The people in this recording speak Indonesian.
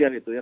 ya gitu ya